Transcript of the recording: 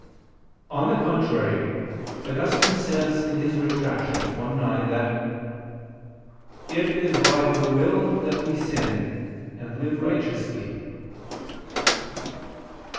On the contrary, Augustine says (Retract. i, 9) that "it is by the will that we sin, and live righteously."